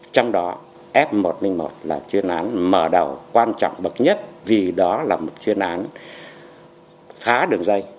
trong đó f một trăm linh một là chuyên án mở đầu quan trọng bậc nhất vì đó là một chuyên án phá đường dây